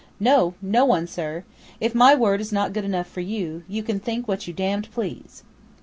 "No, no one, sir! If my word is not good enough for you, you can think what you damned please!"